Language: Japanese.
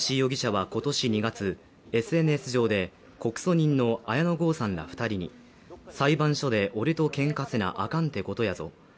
ガーシー容疑者は今年２月、ＳＮＳ上で告訴人の綾野剛さんら２人に裁判所で俺と喧嘩せなあかんてことやぞ。